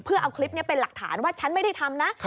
เพื่อเอาคลิปนี้เป็นหลักฐานว่าฉันไม่ได้ทำนะ